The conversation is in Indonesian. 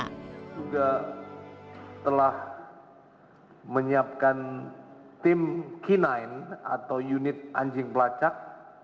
kami juga telah menyiapkan tim k sembilan atau unit anjing pelacak